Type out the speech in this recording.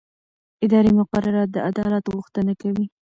اداري مقررات د عدالت غوښتنه کوي.